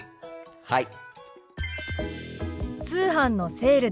はい。